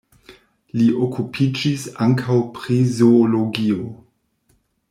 Li okupiĝis ankaŭ pri zoologio.